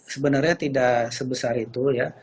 sebenarnya tidak sebesar itu